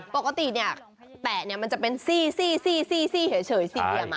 ปกติแต่มันจะเป็นซี่เฉยเกี่ยวมาก